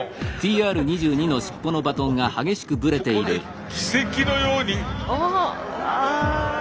ここで奇跡のように。